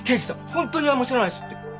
本当になんも知らないですって！